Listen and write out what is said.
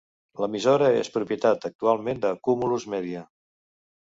L'emissora és propietat actualment de Cumulus Media.